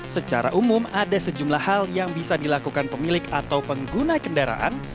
secara umum ada sejumlah hal yang bisa dilakukan pemilik atau pengguna kendaraan